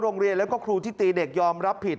โรงเรียนและครูทิตย์เด็กยอมรับผิด